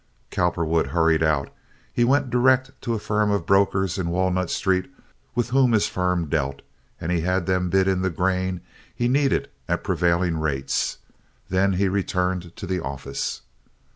Cowperwood hurried out. He went direct to a firm of brokers in Walnut Street, with whom his firm dealt, and had them bid in the grain he needed at prevailing rates. Then he returned to the office.